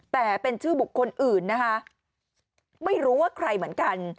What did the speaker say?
แต่เป็นชื่อบุคคลอื่นนะคะไม่รู้ว่าใครเหมือนกัน